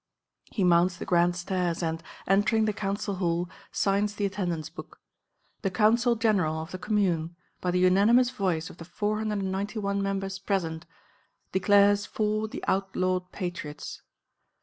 He mounts the grand stairs and, entering the Council Hall, signs the attendance book. The Council General of the Commune, by the unanimous voice of the 491 members present, declares for the outlawed patriots.